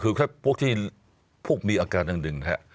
คือถ้าพวกที่พวกมีอาการทางหนึ่งนะฮะ